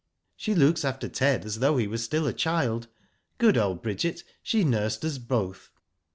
'* She looks after Ted as though he were still a child. Good old Bridget, she nursed us both.